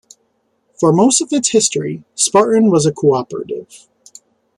For most of its history, Spartan was a cooperative.